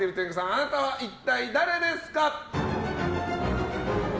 あなたは一体誰ですか！